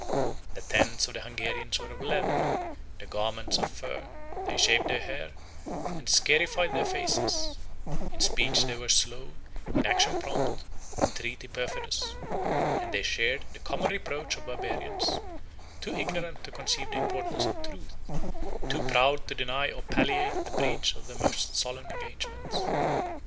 The tents of the Hungarians were of leather, their garments of fur; they shaved their hair, and scarified their faces: in speech they were slow, in action prompt, in treaty perfidious; and they shared the common reproach of Barbarians, too ignorant to conceive the importance of truth, too proud to deny or palliate the breach of their most solemn engagements.